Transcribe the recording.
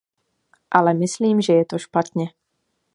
Ale myslím, že je to špatně.